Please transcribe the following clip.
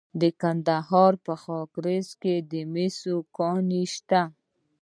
د کندهار په خاکریز کې د مسو کان شته.